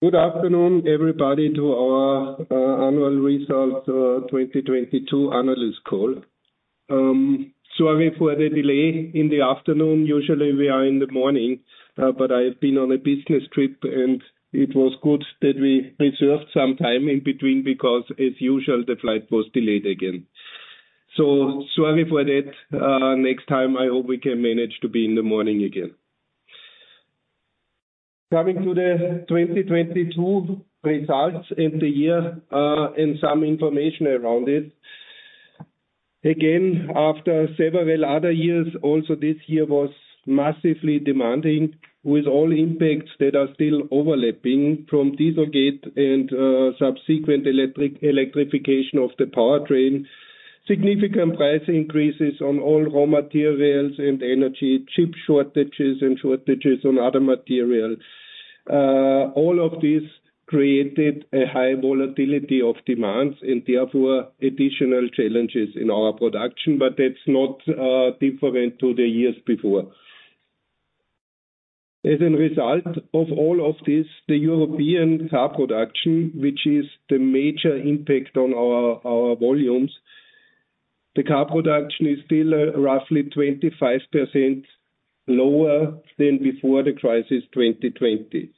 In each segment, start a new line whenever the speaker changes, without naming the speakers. Good afternoon, everybody, to our annual results 2022 analyst call. Sorry for the delay in the afternoon. Usually we are in the morning. I have been on a business trip, and it was good that we reserved some time in between, because as usual, the flight was delayed again. Sorry for that. Next time, I hope we can manage to be in the morning again. Coming to the 2022 results in the year, and some information around it. Again, after several other years, also this year was massively demanding, with all impacts that are still overlapping from Dieselgate and subsequent electrification of the powertrain, significant price increases on all raw materials and energy, chip shortages and shortages on other material. All of this created a high volatility of demands and therefore additional challenges in our production. That's not different to the years before. As a result of all of this, the European car production, which is the major impact on our volumes, the car production is still roughly 25% lower than before the crisis, 2020.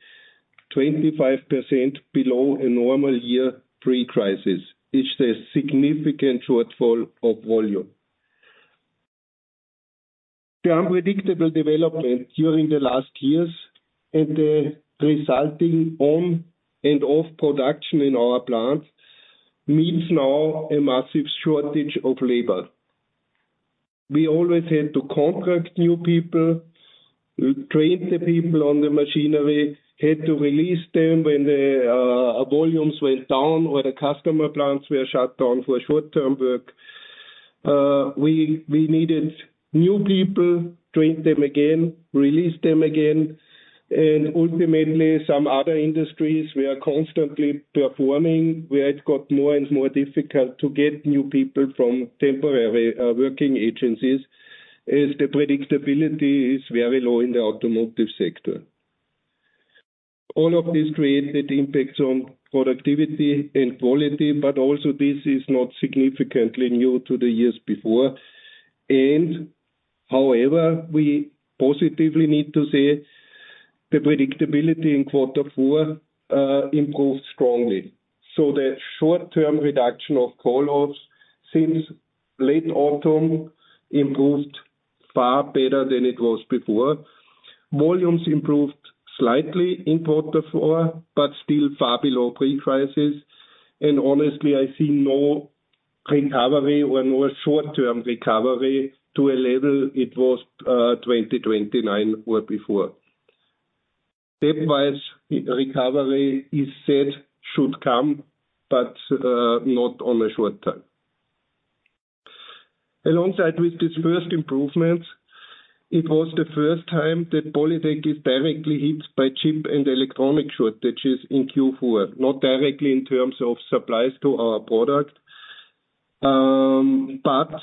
25% below a normal year pre-crisis is the significant shortfall of volume. The unpredictable development during the last years and the resulting on and off production in our plants means now a massive shortage of labor. We always had to contract new people, train the people on the machinery, had to release them when the volumes went down or the customer plants were shut down for short-term work. We, we needed new people, train them again, release them again and ultimately some other industries were constantly performing, where it got more and more difficult to get new people from temporary working agencies, as the predictability is very low in the automotive sector. All of this created impacts on productivity and quality, but also this is not significantly new to the years before. However, we positively need to say the predictability in quarter four improved strongly. The short-term reduction of call-offs since late autumn improved far better than it was before. Volumes improved slightly in quarter four, but still far below pre-crisis. Honestly, I see no recovery or no short-term recovery to a level it was 2029 or before. Stepwise recovery is said should come, but not on a short term. Alongside with this first improvement, it was the first time that POLYTEC is directly hit by chip and electronic shortages in Q4. Not directly in terms of supplies to our product, but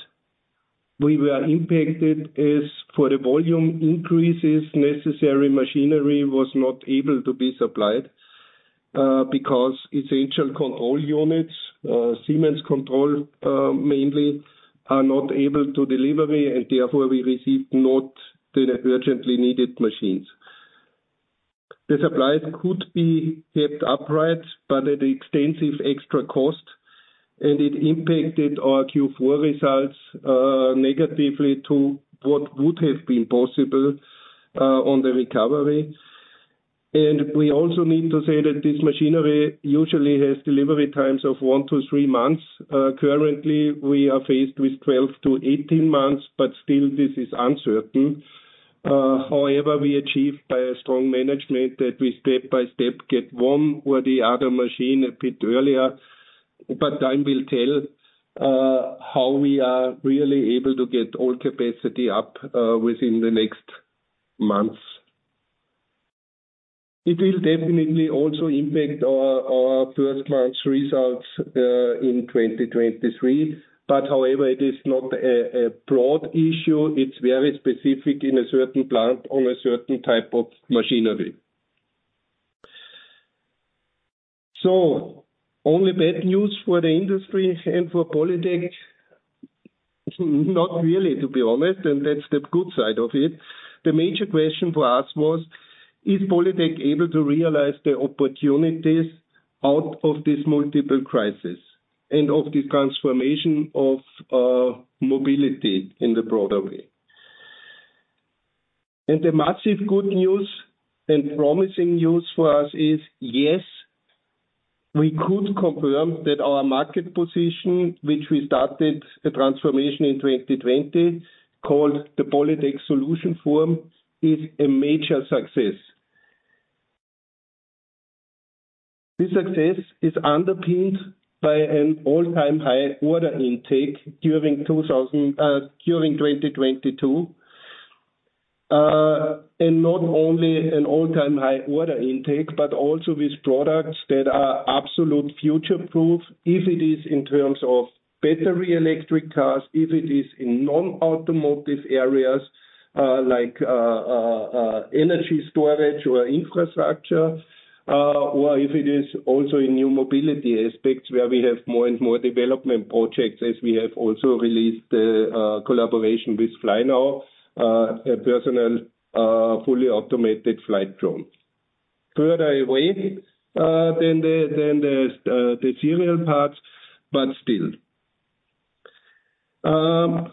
we were impacted as for the volume increases necessary machinery was not able to be supplied, because essential control units, Siemens control, mainly are not able to deliver, and therefore we received not the urgently needed machines. The supplies could be kept upright, but at extensive extra cost, and it impacted our Q4 results negatively to what would have been possible on the recovery. We also need to say that this machinery usually has delivery times of one to three months. Currently we are faced with 12-18 months, but still this is uncertain. However, we achieved by a strong management that we step by step get one or the other machine a bit earlier, but time will tell how we are really able to get all capacity up within the next months. It will definitely also impact our first months results in 2023. However, it is not a broad issue. It's very specific in a certain plant on a certain type of machinery. Only bad news for the industry and for POLYTEC? Not really, to be honest, and that's the good side of it. The major question for us was: Is POLYTEC able to realize the opportunities out of this multiple crisis and of the transformation of mobility in the broader way? The massive good news and promising news for us is, yes, we could confirm that our market position, which we started the transformation in 2020, called the POLYTEC SOLUTION FORCE, is a major success. This success is underpinned by an all-time high order intake during 2022, and not only an all-time high order intake, but also with products that are absolute future-proof. If it is in terms of battery electric cars, if it is in non-automotive areas, like energy storage or infrastructure, or if it is also in new mobility aspects where we have more and more development projects, as we have also released a collaboration with FlyNow, a personal, fully automated flight drone. Third wave than the serial parts, but still.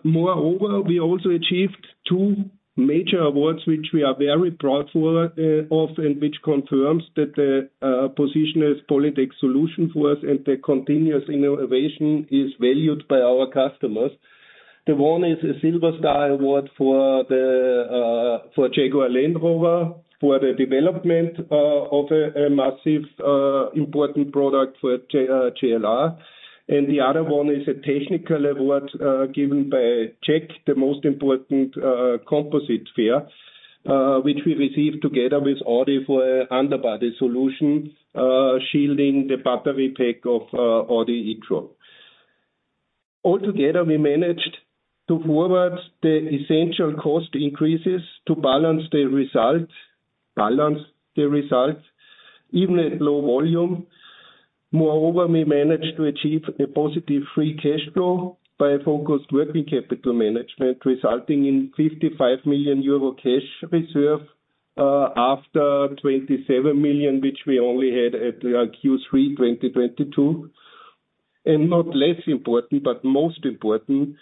Moreover, we also achieved two major awards, which we are very proud of, and which confirms that position as POLYTEC SOLUTION FORCE, and the continuous innovation is valued by our customers. The one is a Silver Style award for Jaguar Land Rover, for the development of a massive important product for JLR. The other one is a technical award given by JEC, the most important composite fair, which we received together with Audi for underbody solution shielding the battery pack of Audi e-tron. Altogether, we managed to forward the essential cost increases to balance the results even at low volume. Moreover, we managed to achieve a positive free cash flow by a focused working capital management, resulting in 55 million euro cash reserve, after 27 million, which we only had at Q3, 2022. Not less important, but most important,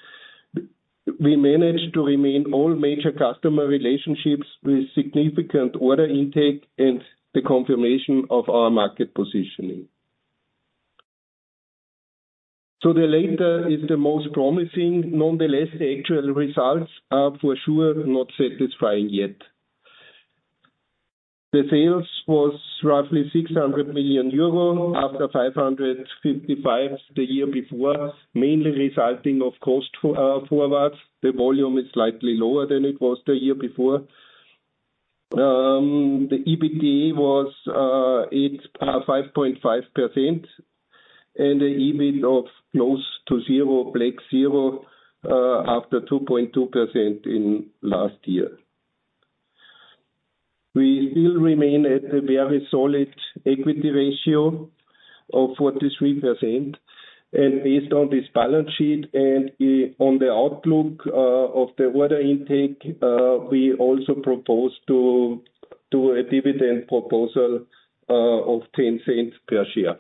we managed to remain all major customer relationships with significant order intake and the confirmation of our market positioning. The latter is the most promising. Nonetheless, the actual results are for sure not satisfying yet. The sales was roughly 600 million euro, after 555 million the year before, mainly resulting, of course, to forward. The volume is slightly lower than it was the year before. The EBT was 5.5%, and the EBIT of close to zero, black zero, after 2.2% in last year. We still remain at a very solid equity ratio of 43%. Based on this balance sheet and on the outlook of the order intake, we also propose to do a dividend proposal of 0.10 per share.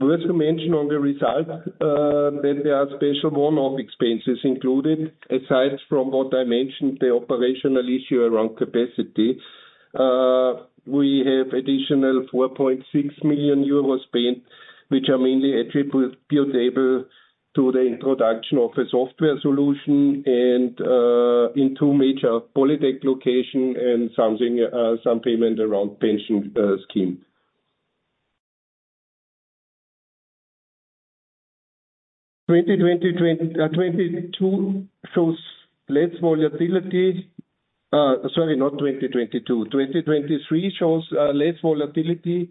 I want to mention on the result that there are special one-off expenses included. Aside from what I mentioned, the operational issue around capacity, we have additional 4.6 million euros paid, which are mainly attributable to the introduction of a software solution and in two major POLYTEC location and something, some payment around pension scheme. 2022 shows less volatility. Sorry, not 2022. 2023 shows less volatility.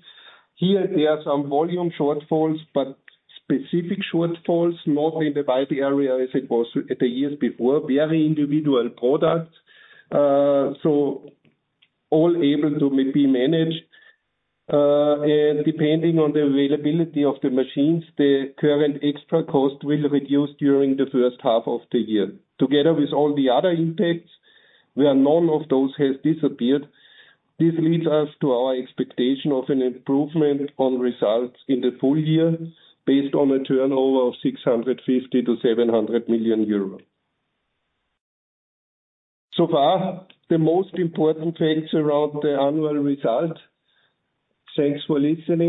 Here, there are some volume shortfalls, but specific shortfalls, not in the body area as it was the years before. Very individual products, so all able to be managed. Depending on the availability of the machines, the current extra cost will reduce during the first half of the year. Together with all the other impacts, where none of those has disappeared, this leads us to our expectation of an improvement on results in the full year, based on a turnover of 650 million-700 million euro. Far, the most important facts around the annual results. Thanks for listening.